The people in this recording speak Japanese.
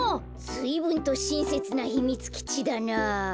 ずいぶんとしんせつなひみつきちだな。